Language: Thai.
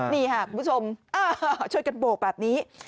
นี่ค่ะคุณผู้ชมช่วยกันโบกแบบนี้